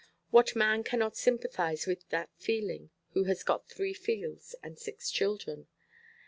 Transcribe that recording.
What man cannot sympathize with that feeling who has got three fields and six children?